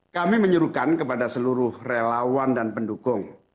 kami menyuruhkan kepada seluruh relawan dan pendukung